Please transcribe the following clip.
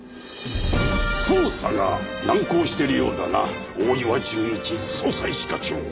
捜査が難航しているようだな大岩純一捜査一課長。